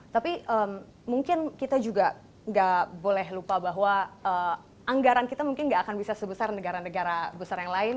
tapi mungkin kita juga nggak boleh lupa bahwa anggaran kita mungkin nggak akan bisa sebesar negara negara besar yang lain